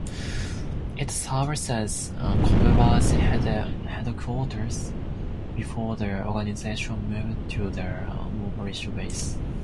It serves as Cobra's headquarters before the organization moved to the Monolith Base.